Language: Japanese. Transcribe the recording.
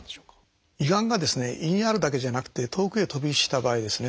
胃がんが胃にあるだけじゃなくて遠くへ飛び火した場合ですね。